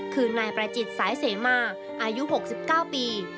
คือนายประจิตสายเสมาอายุ๖๙ปี